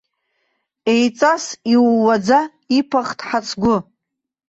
Еиҵас иууаӡа иԥахт ҳацгәы.